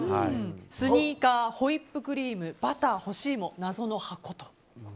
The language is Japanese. スニーカー、ホイップクリームバター、干し芋謎の箱と。